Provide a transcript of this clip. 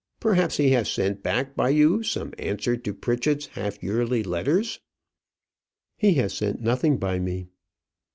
Perhaps he has sent back by you some answer to Pritchett's half yearly letters?" "He has sent nothing by me."